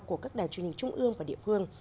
của các đài truyền hình trung ương và địa phương